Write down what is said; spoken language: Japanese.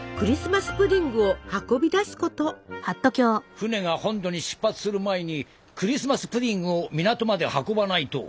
船が本土に出発する前にクリスマス・プディングを港まで運ばないと。